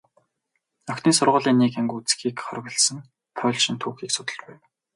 Охидын сургуулийн нэг анги үзэхийг хориглосон польшийн түүхийг судалж байв.